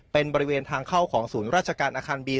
เป็นบริเวณทางเข้าของศูนย์ราชการอาคารบี